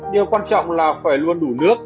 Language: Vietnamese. điều quan trọng là phải luôn đủ nước